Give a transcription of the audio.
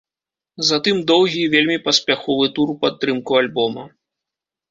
Затым доўгі і вельмі паспяховы тур у падтрымку альбома.